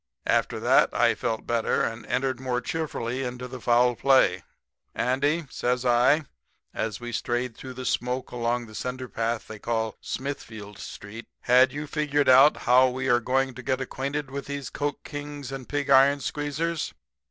After that I felt better and entered more cheerfully into the foul play. "'Andy,' says I, as we strayed through the smoke along the cinderpath they call Smithfield street, 'had you figured out how we are going to get acquainted with these coke kings and pig iron squeezers?